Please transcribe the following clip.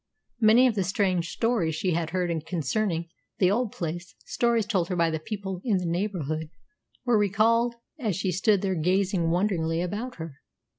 Many of the strange stories she had heard concerning the old place stories told by the people in the neighbourhood were recalled as she stood there gazing wonderingly about her.